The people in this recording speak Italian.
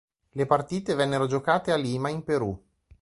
Le partite vennero giocate a Lima, in Perù.